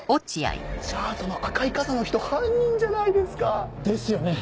⁉じゃあその赤い傘の人犯人じゃないですか。ですよね。